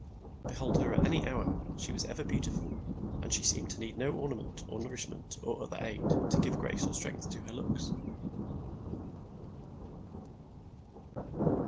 Behold her at any hour, she was ever beautiful, and she seemed to need no ornament, or nourishment, or other aid, to give grace or strength to her looks.